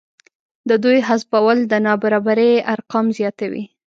د دوی حذفول د نابرابرۍ ارقام زیاتوي